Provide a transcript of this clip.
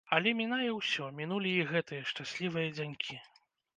Але мінае ўсё, мінулі і гэтыя шчаслівыя дзянькі.